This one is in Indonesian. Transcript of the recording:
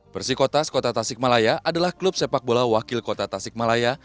persi kota skota tasik malaya adalah klub sepak bola wakil kota tasik malaya